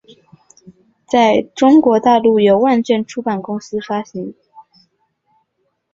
在中国大陆由万卷出版公司发行。